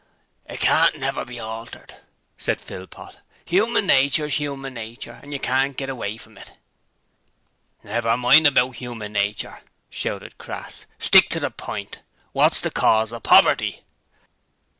'It can't never be altered,' said Philpot. 'Human nature's human nature and you can't get away from it.' 'Never mind about human nature,' shouted Crass. 'Stick to the point. Wot's the cause of poverty?'